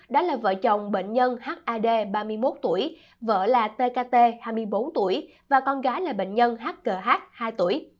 đó là vợ chồng bệnh nhân had ba mươi một tuổi vợ là tkt hai mươi bốn tuổi và con gái là bệnh nhân hch hai tuổi